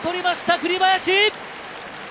栗林。